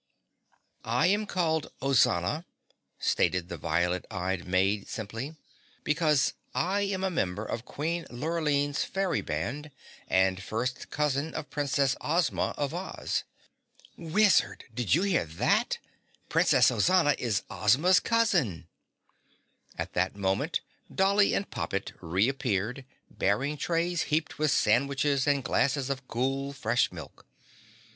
"I am called Ozana," stated the violet eyed maid simply, "because I am a member of Queen Lurline's Fairy Band and first cousin of Princess Ozma of Oz." "Wizard, did you hear that? Princess Ozana is Ozma's cousin!" At this moment Dolly and Poppet reappeared bearing trays heaped with sandwiches and glasses of cool, fresh milk.